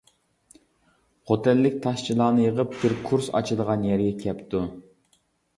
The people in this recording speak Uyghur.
خوتەنلىك تاشچىلارنى يىغىپ بىر كۇرس ئاچىدىغان يەرگە كەپتۇ.